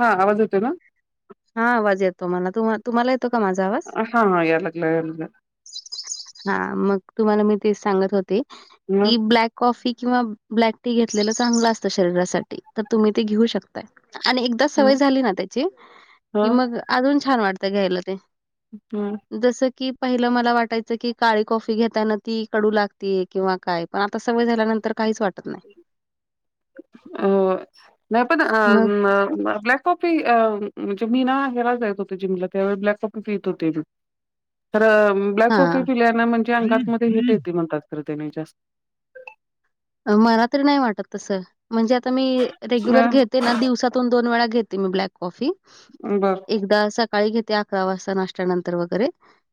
हा आवाज येतोय का हा आवाज येतो मला तु तुम्हाला येतो का माझा आवाज हां या लागला या लागला हां मग तुम्हाला मी ते सांगत होते म की ब्लॅक कॉफी किंवा ब्लॅक टी घेतलेल चांगल असत शरीरासाठी तर तुम्ही ते घेऊ शकता आणि एकदा सवय म झाली ना त्याची ह कि मग अजुन छान वाटत घ्यायला ते हम्म्म जस की पहिल मला वाटायच की काळी कॉफी घेताना ती कडु लागते किंवा काय पण आता सवय झाल्यानंतर काहीच वाटत वाटत नाय हो नाही पण मग अं आपल्या कॉपी अ म्हणजे मी ना हे ला जात होते जिमला त्यावेळी ब्लॅक कॉपी पीत होते मी तर ब्लॅक कॉफी हा. पिल्यान म्हणजे अंगातमध्ये हिट येते म्हणतात खर त्याने जास्त मला तरी नाही वाटत तस म्हणजे आता मी रेग्युलर घेते ना दिवसात दोन- दोन वेळा घेते मी ब्लॅक कॉफी बरं एकदा सकाळी घेते अकरा वाजता नाश्त्यानंतर वगैरे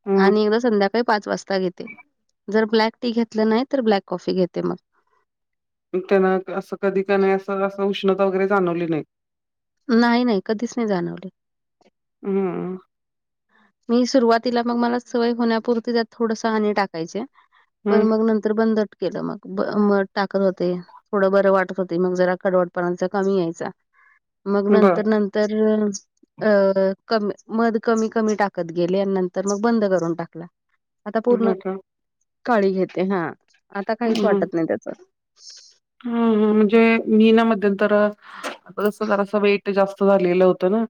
ह आणि एकदा संध्याकाळी पाच वाजता घेते जर ब्लॅक टी घेतल नाही तर ब्लॅक कॉफी घेते मग त्यांन अस कधी का नाही अस अस उष्णता वगैरे जाणवली नाही नाही नाही कधीच नाही जाणवली हम्म मी सुरुवातीला मग मला सवय होण्यापुरती त्यात थोडस हनी टाकायचे पण मग हम्म नंतर बंदच केल मग म टाकत होते थोड बर वाटत होती मग जरा कडवट पणा कमी ते यायचा मग बर नंतर नंतर अ क मध कमी कमी टाकत गेले नंतर मग बंद करून टाकल आता हो पूर्ण का काळी घेते हा आता काहीच वाटत नाही त्याच हं हं म्हणजे मी ना मध्यंतर जस जरा अस वेट जास्त झालेल होत ना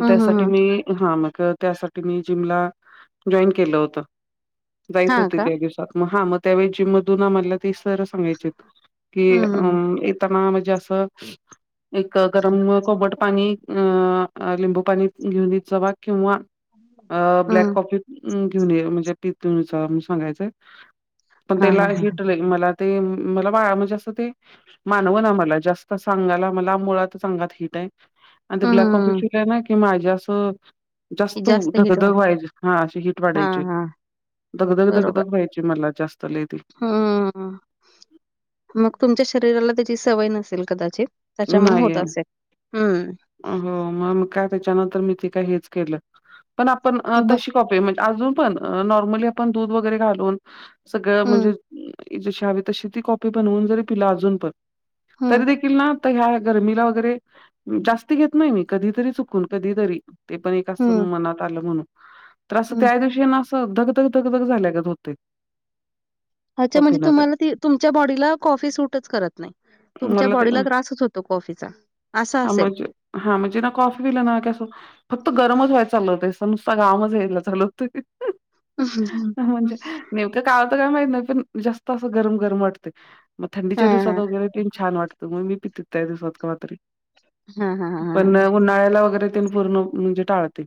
हम् हम् त्यासाठी हम मी हा मग त्यासाठी मी जिमला जाॅईन केल होत जायच हा होते का त्या दिवसात मग हा मग त्यावेळी जीम मधुन आम्हाला ते सर सांगायचे की हम् हम् अं येताना म्हणजे अस एक गरम कोमट पाणी अ लिंबु पाणी घेऊन जावा किंवा अ ब्लॅक हम् कॉफी घेऊन ये म्हणजे सांगायचंय पण हा त्याला हा हा हिट मला ते मला म्हणजे तासते मानवला मला जास्त सांगायला मला मुळातच माझा आगात हिट जास्त आहे आणि ते ब्लॅकोप हम्म इशू काय नाहीत ना असं जास्त हिट ढगधग वाट व्हायची हा अशी हीट हा वाढायची हा दगधग बरोबर दगधग व्हायची मला जास्त लयती हम्म मग तुमच्या शरीराला त्याची सवय नसेल कदाचित त्याच्यामुळे होत नाहीये. असेल हम्म हो मग काय त्याच्यानंतर मी ते काय हेच केलं पण आपण ब तशी कॉपी अजून पण नॉर्मली आपण दूध वगैरे घालून सगळ हम्म म्हणजे जशी हवी तशी ती कॉपी बनवून जरी तिला अजून पण हम्म तरी देखील ना आता ह्या गरमी ला वगरे जास्ती घेत नाही कधीतरी चुकून कधी तरी ते पण एक अस हम्म मनात आलं म्हणून तर असं हम्म त्या दिवशी ना असं धगधग धगधग झाल्या गत होतय अचछा म्हणजे तुम्हाला त तुमच्या बॉडीला कॉफी सूटच करत नाही तुमच्या मला बॉडीला त्रासच होत तो कॉफीचा असा ह असेल. म्हजे हा म्हजे ना कॉफी पिलिना कस फक्त गरमच व्हाय चाल होतते स नुसता गरमचच यायला चालू होत म्हणजे नेमकं काय होता काय माहत नाही पण जास्त असं गरम गरम वाटते मग थंडीच्या हां दिवसात हां वगैरे ते छान वात मग मी पितेत त्या दिवसात मग कवा तरी हां हां हां पण हां उन्हाळ्याला वगैरे ते पूर्ण म्हणजे टाळते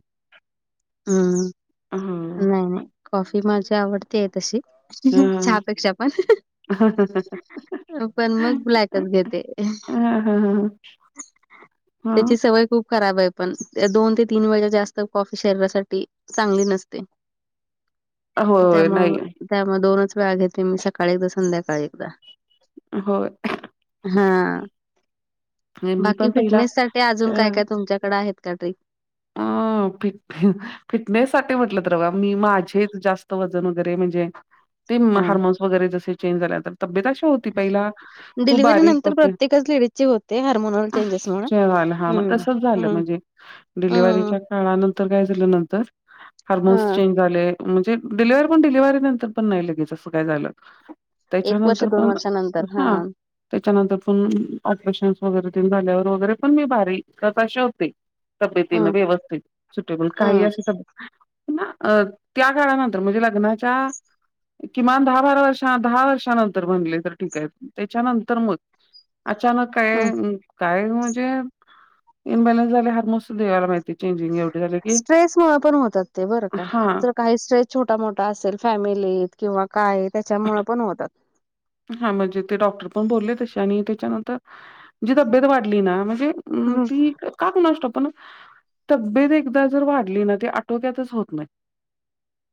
हम्म हं नाही नाही कॉफी माझी आवडती आहे तशी हं चहापेक्षा पण पण मग ब्लॅकच घेते हं हं हं त्याची हं सवय खूप खराब आहे पण दोन ते तीन वेळे जास्त कॉफी शरीरासाठी चांगली नसते होय होय नाही त्यामुळे त्यामुळे दोनच वेळा घेते मी सकाळी एकदा संध्याकाळी एकदा होय हा मी बाकी पण पहिला फिटनेस साठी अजून काय च काय तुमच्याकडे आहेत का ट्री अ फिट फिटनेस साटी म्हटलं तर बा मी माझेच जास्त वजन वगैरे म्हणजे ते हा हार्मन्स वगैरे जे चें झाल्या तर तब्येत अशी हो ती पहिला खूप डिलिव्हरी बारीक प नंतर होते प्रत्येकच लेडीजची होते हार्मोनल चेंजेस मुळे. जेवायला हम्म. तसच झाल हं, म्हनजे हं, डिलिव्हरीच्या काळानंतर काय झालं नंतर हार्मोन्स हं. चेंज झाले म्हणजे डिलेव्ह पण डिलव्हारी नंतर पण नाही लगेच असं काय झाल वर्ष त्याच्यानंतर पण वर्षानंतर. हा हां. त्याच्यानंतर पण ऑपरेशनस वगैरे तेन झाल्यावर वगैरे पण मी भारीकत अे होते तब्यतीन हं, व्यवस्थित सुटेबल काही हं, अस ना त्या काळानंतर म्हणजे लग्नाच्या किमान दहा बारा वर्ष दहा वर्षानंतर बनले ठीक आहे मग अचानक हं. काय काय म्हणजे इन्बॅलेन्स झाले हातमजद्धवायला माहिती चेंजिंग एवढे झाले, की स्ट्रेस मुळ पण होतात ते बरं का हां, ज काही स्ट्रेस छोटा मोठा असेल फॅमिलीत किंवा काय त्याच्यामुळे पण होतात हा म्हणजे ते डॉक्टर बोलले तशे आणि जी तब्येत वाढली ना म्हणजे हम्म हं. पी का कुणास ठाऊक, पण तब्येत एकदा जर वाढली ना, ते आटोक्यातच होत नाही.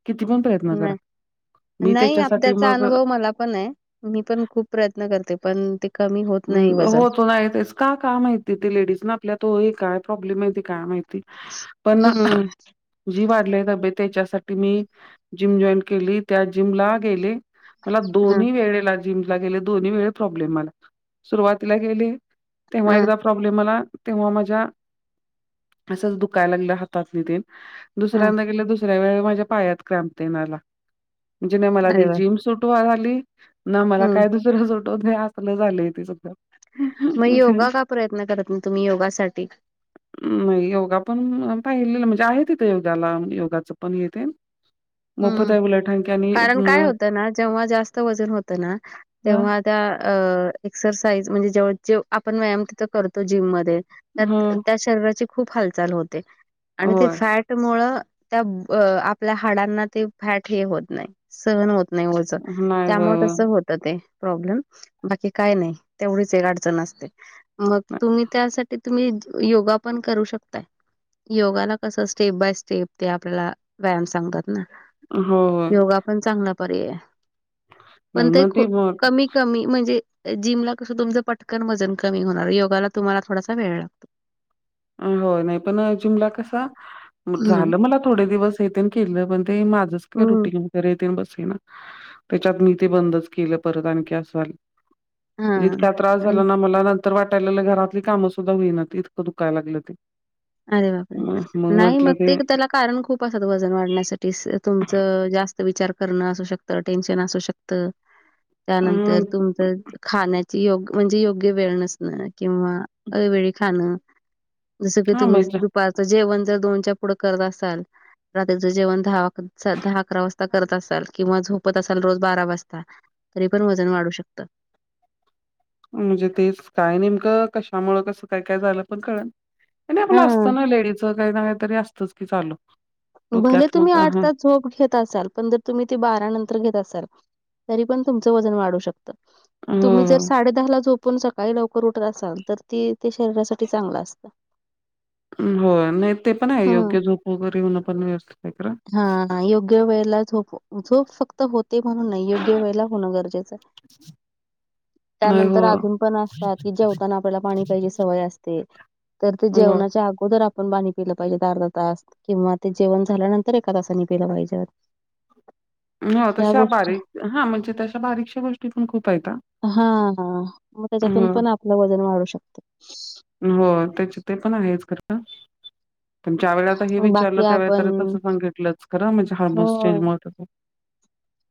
किती पण प्र नाय, नाही आत, त्याचा मग अ, अनुभव मला पण ये. मी पण खूप प्रयत्न करते, पण ते कमी हो ह्म, हो तो नाही, तेच का-का माहिती, ते लेडीज ना, आपल्या तो एक काय प्रॉब्लेम ये, ते काय माहि ती, पण ना हं, जी वाढले तब्येत, त्याच्यासाठी मी, जिम जॉईन केली, त्या जिमला गेले. मला हं, दोन्ही वेळेला जिमला गेले, दोन्ही वेळी प्रॉब्लेम आला. सुरुवातीला गेले, तेव्हा हं, एकदा प्रॉब्लेम आला, तेव्हा माज्या, असच दुखाय लागल, हातात नि ते. हं. दुसऱ्यांदा गेले, दुसऱ्या वेळे, माझ्या पायात क्रॅम्प तेन आला, म्हणजे ना मला अरे ती वाह! जिम सुट त झाली, ना माला हं. काय दुसरं सूट होतंय, असल झालय ते सगळं म मी खरं- योगा का प्रयत्न करत नहीं, तुम्ही योगासाठी? नही, योगा पण पाहिलेले, म्हणजे आहे तिथे, योग्याला -योगाच पण इथे. [inaudible] हम्म, कारण काय म होतं ना, जेव्हा जास्त वजन होतं ना, का तेव्हा त्या अ एक्सरसाइज, म्हणजे ज्यावेळेस जेव, आपण व्यायाम तिथं करतो, जिममध्ये त्यात हं त्या शरीराची खूप हालचाल होते, आणि ते होय फॅट मुळ, त्या अ आपल्या हाडांना, ते फॅट हे होत नाही, सहन होत नही ओझं, नाही होय त्यामुळे होय तस होत ते प्रॉब्लम, बाकी काय नाही, तेवढीच एक अडचण असते. मग नाही. तुम्ही, त्यासाठी तुम्ही, योगा पण करू शकताय. योगाला कस, स्टेप बाय स्टेप, ते आपल्याला, व्यायाम सांगतात ना. ह्म हं. योगा पण चांगला पर्याय, पण नाही ते मग ख मग कमी कमी, म्हणजे जिमला कसं तुमचं, पटकन वजन कमी होणार, योगाला तुम्हाला, थोडासा वेळ लागतो. [inaudible] ह्म, होय नाही पण जिमला कसा, हम्म. झालं मला थोडे दिवस तेन केलं, पण ते माझंच का, हम्म. रुटीन रेतीन बसली ना, त्याच्यात मी ते बंदच केलं, परत आणखी असं झालं. इतका हां. त्रास अं, झाला ना, मला ना तर वाटायला, घरातली कामं सुद्धा होईना, ते इतकं दुखाय लागलं ते. अरे बापरे! नाही मग, ते त्याला कारण खूप असतात, वजन वाढण्यासाठी, तुमचं जास्त विचार करणं असू शकतं, टेन्शन असू शकतं. अ त्यानंतर तुमचं खाण्याची योग, म्हणजे योग्य वेळ नसणं, किंवा अवेळी खाणं. जसं कि हा तुम्ही, मजा दुपारचं जेवण, जर दोनच्या पुढं करत असाल रात्रीचं जेवण दहा अक, दहा अकरा वाजता करत असाल, किंवा झोपत असाल, रोज बारा वाजता. तरी पण, वजन वाढू शकतं. म्हणजे तेच, काय नेमकं, कशामुंळ, कसं, काय-काय झालं, पण कळ त आपलं हा असतं ना लेडीच, काहीना काही तरी असतच की, चालू. भले डोक्यात तुम्ही, मग आठ हां. तास झोप घेत असाल, पण जर तुम्ही, ते बारा नंतर घेत असाल, तरी पण तुमचं वजन वाढू शकत. तुम्ही जर हो. साडे दहाला जो पुण सकाळी लवकर उठत असाल, तर ते, ते शरीरासाठी चांगलं असतं. हो नाही ते पण आहे हम्म. योग्य झोप वगैरे होन पण व्यवस्थित आहे खरं, हा योग्य वेळेला झोप झोप फक्त होत ते म्हणून नाही योग्य वेळेला होणं गरजेचं आहे. नाही हो. त्यानंतर अजून पण असतात की जेवताना आपल्याला पाणी प्यायची सवय असते तर ते हो. जेवणाच्या अगोदर आपण पिलं पाहिजे अर्धा तास किंवा ते जेवण झाल्यान तर एका तासानी पिल पाहिजे. ह ह्या तशा गोष्टी बारीक हा म्हणजे तशा बारीकशा गोष्टी पण खूप आहेता. हा हा मग त्याच्यातून पण आपलं वजन वाढू शकत. हो त्याचे ते पण आहेच खर. पण ज्या वेळेल हे विचारलं बाकी त्यावेळे आपण तरी तस सांगितलंच खर म्हणजे हार्मोनस चेंज हो, मूळ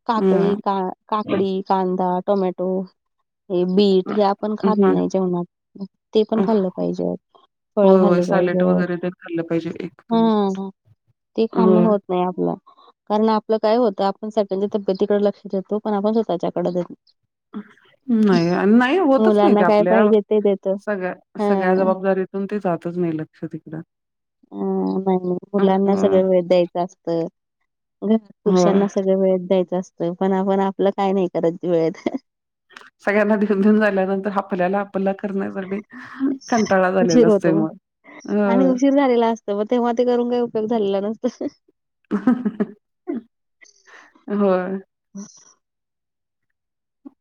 काकडी का काकडी, कांदा, टोमॅटो, हे बीट हे आपण खात हं. नाही जेवणात ते पण खाल्लं पाहिजे. फळं होय, होय. खाली पाहिजे सॅलेड वगैरे ते खाल्लं पाहिजे एक हम्म चमच. हम्म ती हो. खाणं होत नाही आपल कारण आपलं काय होत आपण त्यांच्या तब्येतीकडे लक्षात देतो पण आपण स्वतःच्याकडे हम नाही नाही होतच नाही मुलांना ते काय आपल्या पाहिजे ते देतो. सगळ्या सगळ्या हां, जबाबदारीतून ते जातच नाही लग [unintelligible] अ [unintelligible] मुलांना हो सगळं वेळत द्यायचं असतं. घरी पुरुषांना हो. सगळं वेळेत द्याच असतं पण आपण आपलं काय नाही करत वेळेत. सगळ्यांना घेऊनेऊन झाल्यानंतर आपल्याला आपला करण्यासाठी कंटाळाच आलेला उशीर असतोय होतो मग, आणि हो उशीर झालेला असतो, मग तेव्हा ते करून काही उपयोग झालेला नसतो. होय. हम्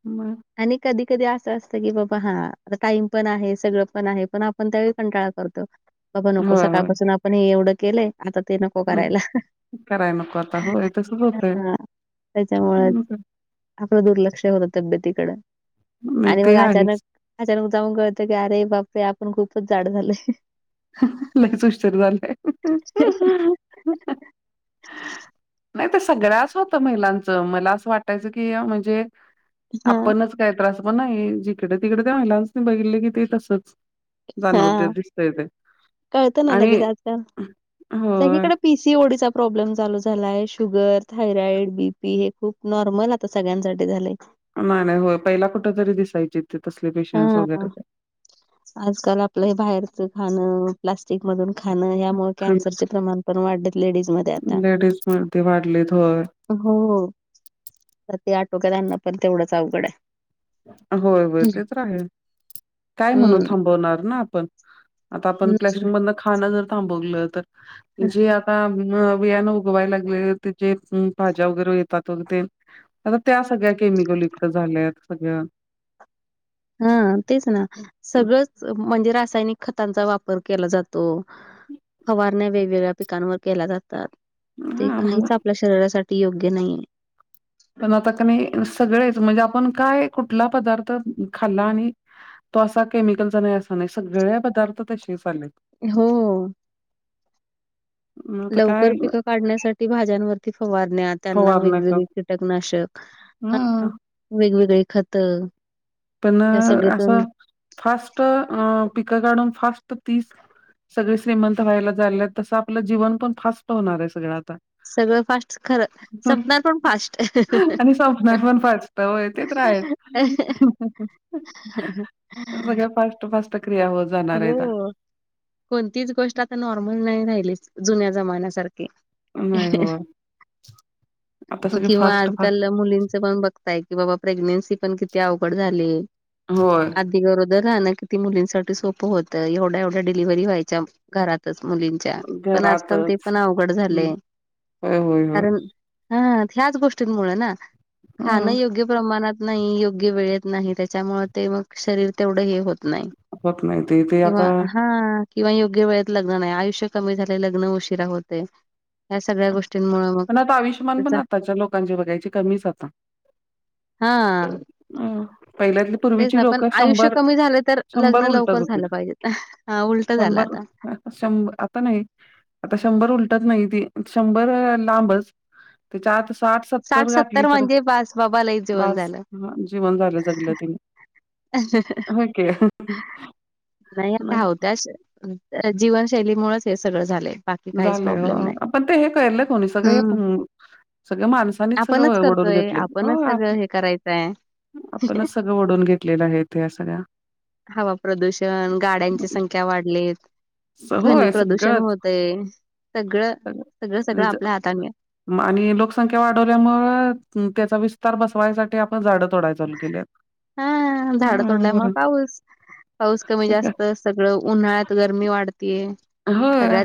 मग, आणि कधी कधी असं असतं की बाबा हा टाइम पण आहे सगळं पण आहे पण आप पण त्यावेळी कंटाळा करतो, बाबा नको होय होय सकाळपासून आपण हे एवढं केलंय आता ते न नको हं. करायला कराय नको आता होय तसच होतय ह त्याच्यामुळच, आपलं दुर्लक्ष होत तब्यतीकड नाही आणि मग ते अचानक आहेच अचानक जाऊन कळतं की अरे बाप रे आपण खूपच जाड झालोय. लयच उशर झालाय. नाही ते सगळ्याच होतं महिलांचं मला असं वाटायचं की म्हणजे हा आपणच कायतर अस पण नाही जिकडे तिकडे त्या महिलांच बघितल की ते तसच, जाणवतय हा दिसतय ते, कळतं ना आणि लगेच आजकाल होय सगळीकड पी सी ओ डीचा प्रॉब्लेम चालू झालाय शुगर, थायरॉइड, बी पी, हे खूप नॉर्मल आता सगळ्यांसाठी झालंय. नाही नाही होय पहिला कुठ तरी दिसायचे ते तसले पेशंट्स हा. वगैरे आजकाल आपलं बाहेरचं खाणं, प्लास्टिक मधून खाणं यामुळे कॅन्सरचे प्रमाण पण वाढल्यात लेडीज मध्ये आता, [unintelligible] ते वाढले होय - हो तर ते आटोक्यात आनन पण तेवढंच अवघड आहे. होय होय ते तर आहेच काय म्हणून हम्म. थांबवणार ना आपण, आता आपण नाही ना. प्लॅस्टिक खाण जर थांबवलं तर जे आता म बियान उगवाय लागले त्याचे भाज्या वगैरे येतात वगैरे तेन आता त्या सगळ्या केमिकल युक्त झाल्यात सगळ्या. हा तेच ना सगळच म्हणजे रासायनिक खतांचा वापर केला जातो. फवारण्या वेगवेगळ्या पिकांवर केल्या जातात, ते हा मग काहीच आपल्या शरीरासाठी योग्य नाही. पण आता क नही सगळेच म्हणजे आपण काय कुठला पदार्थ खाल्ला आणि तो असा केमिकलचा नाही असा नाही सगळ्या पदार्थ तसेच आलेत. हो मग आता काय लवकर पिक काढण्यासाठी भाज्यांवरती फवारण्यात त्यांना फवारण्या कर वेगवेगळी कीटकनाशक, अ हा वेगवेगळी खत पण अ असं फास्ट पिकं काढून फास्ट तीच सगळे श्रीमंत व्हायला जायल्यात तसं आपलं जीवन पण फास्ट होणार आहे सगळं आता. सगळं फास्ट खर, संपणार पण फास्ट. आणि संपणार पण फास्ट होय ते तर आहेच. सगळ्या [unintelligible] फास्ट फास्ट क्रिया होत जाणार आहेत. हो, कोणतीच गोष्ट आता नॉर्मल नाही राहिलीच, जुन्या जमान्यासारखी नाही हो आता सगळे किंवा फास्ट फास्ट आजकाल मुलींचं पण बघ ताय की बाबा प्रेग्नेन्सी पण किती अवघड झाली. होय ती गरोदर राहन किती मुलींसाठी सोपं होतं, एवढ्या एवढ्या डिलिव्हरी व्हायच्या घरातच मुली त्या पण आजकाल घरातच ते पण अवघड हं, झालय, होय, होय, होय. कारण हा, ह्याच गोष्टींमुळ ना खाणं हं, योग्य प्रमाणात नाही, योग्य वेळेत नाही, त्याच्यामुळ ते मग शरीर तेवढं हे होत नाही. होत नाही ते. ते किंवा आता हा किंवा योग्य वेळेत लग्न नाही, आयुष्य कमी झालय, लग्न उशिरा होतय. पण आता आविष्यमान पण त्याचा आताच्या लोकांचे बघायची कमीच आता. हा, हं, पहिल्यातली तेच पूर्वीची ना पण लोकं आयुष्य कमी झालं तर लग्न लवकर उलटत वकर झालं होतीत. पाहिजे, उलट झाला आता. शंभ आता नाही आता, शंभर उलटत नाही ती शंभर लांबच. त्याच्या आत साठ साठ-सत्तर गाठली सत्तर तर, म्हणजे बास बाबा लई जेवण बास झालं हा जीवन झालं जगल त्यांनी. नाही आता हो त्याच जीवनशैलीमुळेच हे सगळं झालंय. बाकी काहीच झाले प्रॉब्लेम नाही हो पण ते हे केल कोणी, सगळे हम्म सगळ माणसांनीच आपणच सगळ वडून करतोय घेतलय, आपणच होय सगळं हे करायचंय आपणच सगळ ओढून घेतलेल्या आहेत या सगळ्या. हवा प्रदूषण, गाड्यांची संख्या वाढलीत स- ध्वनी होय प्रदूषण सगळंच होतय, सगळ सगळं सगळ आणि सगळं ज- आपल्या हातानी हाय आणि लोकसंख्या वाढवल्यामुळ, त्याचा विस्तार बसवायसाठी आपण झाडं तोडाय चालू केल्यात. हा झाड हा तोडल्यामूळ बरं पाऊस, पाऊस कमी सगळं जास्त अस सगळं उन्हाळ्यात गरमी वाढतीये. होय